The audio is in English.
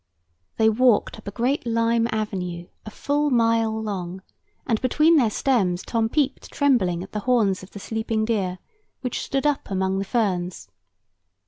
They walked up a great lime avenue, a full mile long, and between their stems Tom peeped trembling at the horns of the sleeping deer, which stood up among the ferns.